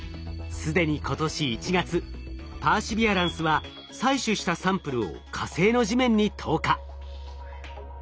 既に今年１月パーシビアランスは採取したサンプルを火星の地面に投下。